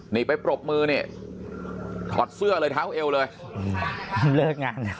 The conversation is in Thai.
นี่ไปปรบมือนี่ถอดเสื้อเลยเท้าเอวเลยเลิกงานเลย